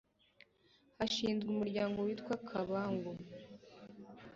hashinzwe umuryango witwa kabangu